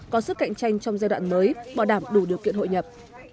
có sức cạnh tranh trong giai đoạn mới bảo đảm đủ điều kiện hội nhập